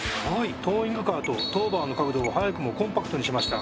トーイングカーとトーバーの角度を早くもコンパクトにしました。